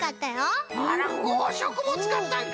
あら５しょくもつかったんか！